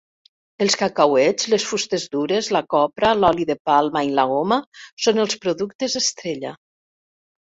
Els cacauets, les fustes dures, la copra, l'oli de palma i la goma són els productes estrella.